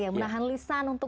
menahan lisan untuk